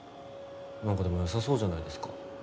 なんかでもよさそうじゃないですか？